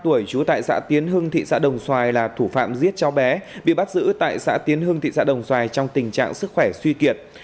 nguyễn văn hưng ba mươi ba tuổi trú tại xã tiến hưng thị xã đồng xoài là thủ phạm giết cháu bé bị bắt giữ tại xã tiến hưng thị xã đồng xoài trong tình trạng sức khỏe suy kiệt